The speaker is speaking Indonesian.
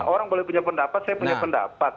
orang boleh punya pendapat saya punya pendapat